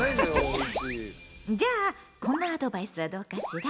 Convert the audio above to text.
じゃあこんなアドバイスはどうかしら？